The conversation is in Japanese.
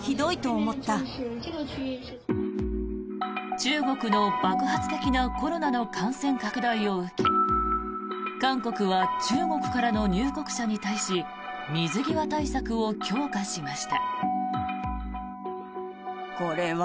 中国の爆発的なコロナの感染拡大を受け韓国は中国からの入国者に対し水際対策を強化しました。